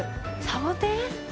サボテン？